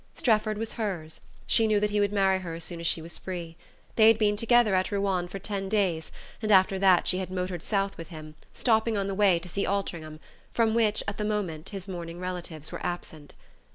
Strefford was hers: she knew that he would marry her as soon as she was free. They had been together at Ruan for ten days, and after that she had motored south with him, stopping on the way to see Altringham, from which, at the moment, his mourning relatives were absent.